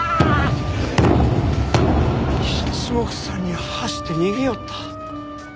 一目散に走って逃げよった。